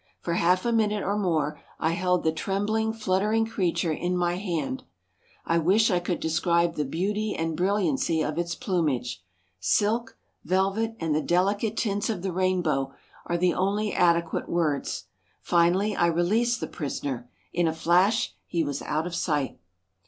For half a minute or more I held the trembling, fluttering creature in my hand. I wish I could describe the beauty and brilliancy of its plumage. Silk, velvet and the delicate tints of the rainbow are the only adequate words. Finally I released the prisoner. In a flash he was out of sight.